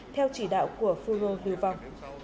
theo chỉ đạo của phú rô duy vọng